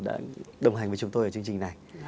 đã đồng hành với chúng tôi ở chương trình này